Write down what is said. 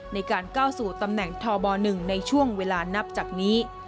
ในการก้าวสู่ตำแหน่งทบ๑ในช่วงเวลานับจากนี้